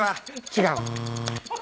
違う？